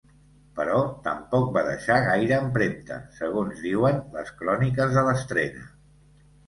Però tampoc va deixar gaire empremta segons diuen les cròniques de l'estrena.